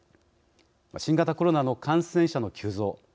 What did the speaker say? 新型コロナの感染者の急増